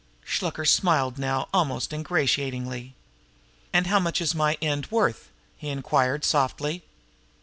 Shluker smiled now almost ingratiatingly. "And how much is my end worth?" he inquired softly.